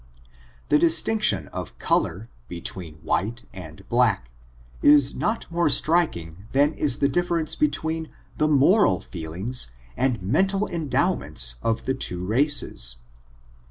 The distinction of color, between white and black, is not more striking than is the difference between the moral feelings and meyital endowments of the two races.